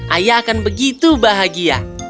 ayah akan begitu bahagia